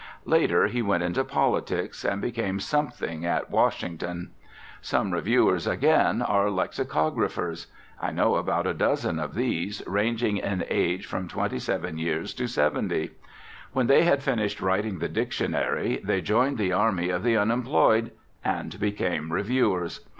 Later he went into politics, and became something at Washington. Some reviewers, again, are lexicographers. I know about a dozen of these, ranging in age from twenty seven years to seventy. When they had finished writing the dictionary, they joined the army of the unemployed, and became reviewers.